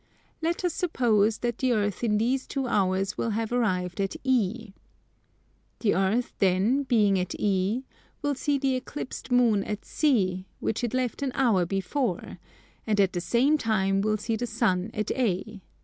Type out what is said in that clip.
Let us suppose that the Earth in these two hours will have arrived at E. The Earth then, being at E, will see the Eclipsed Moon at C, which it left an hour before, and at the same time will see the sun at A.